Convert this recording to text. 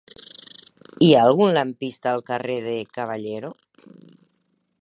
Hi ha algun lampista al carrer de Caballero?